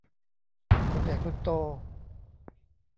คนใหญ่คนโต